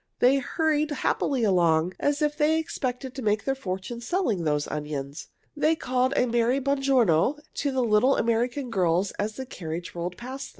They hurried happily along, as if they expected to make their fortune selling those onions. They called a merry "Buon giorno" to the little American girls as the carriage rolled past them.